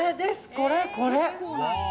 これ、これ。